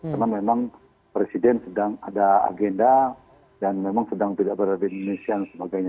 karena memang presiden sedang ada agenda dan memang sedang tidak berada di indonesia dan sebagainya